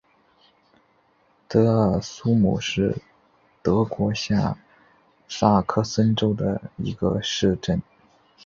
德尔苏姆是德国下萨克森州的一个市镇。